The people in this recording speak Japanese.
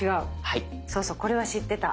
そうそうこれは知ってた。